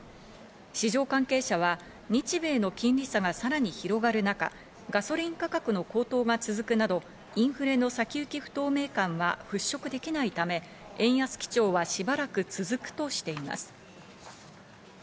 市場関係者は日米の金利差がさらに広がる中、ガソリン価格の高騰が続くなど、インフレの先行き不透明感は払拭できないため、円安基調はしばらく続くとしています。